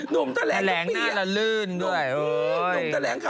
สวัสดีครับ